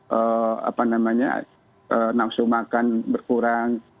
dengan gejala ringan seringkali nafsu makan berkurang